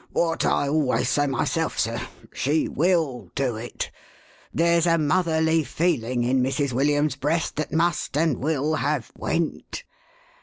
" What I always say myself, sir. She will do it ! There's a motherly feeling in Mrs. William's breast that must and will have went."